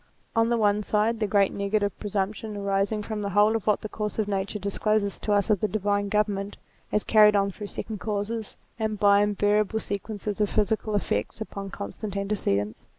On the one side, the great negative presumption arising from the whole of what the course of nature discloses to us of the divine government, as carried on through second causes and by invariable sequences of physical effects upon constant antecedents.